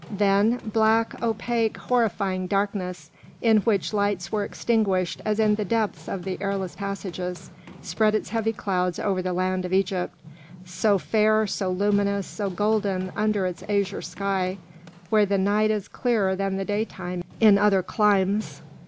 Then black, opaque, horrifying darkness, in which lights were extinguished as in the depths of the airless passages, spread its heavy clouds over the land of Egypt, so fair, so luminous, so golden under its azure sky, where the night is clearer than the daytime in other climes.